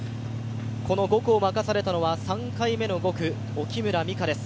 ５区を任されたのは３回めの５区、沖村美夏です。